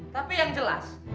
tapi yang jelas